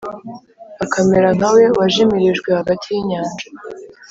akamera nkawe wajimirijwe hagati y inyanja